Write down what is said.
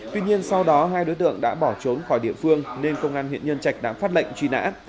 tuy nhiên sau đó hai đối tượng đã bỏ trốn khỏi địa phương nên công an huyện nhân trạch đã phát lệnh truy nã